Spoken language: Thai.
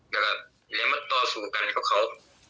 และเริ่มมัตดต่อสู้กันของเขา